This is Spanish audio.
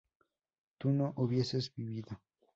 tú no hubieses vivido